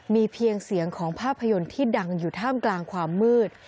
มีเพียงเสียงของภาพยนตร์ที่ดังอยู่ท่ามกลางความมืด